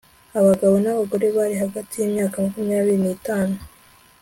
Abagabo nabagore bari hagati yimyaka makumyabiri nitanu